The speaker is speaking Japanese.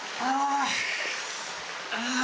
ああ。